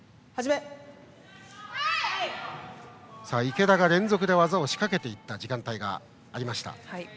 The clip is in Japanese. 池田が連続で技を仕掛けていった時間帯がありました。